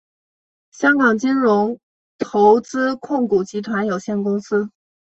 香港金融投资控股集团有限公司。